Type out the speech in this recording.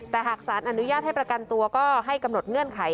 แต่หากสารอนุญาตให้ประกันตัวก็ให้กำหนดเงื่อนไข